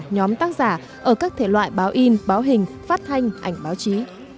nhóm tác giả ở các thể loại báo in báo hình phát thanh ảnh báo chí